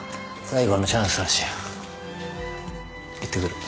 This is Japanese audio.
行ってくる。